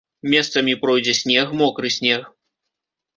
Месцамі пройдзе снег, мокры снег.